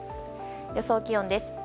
予想気温です。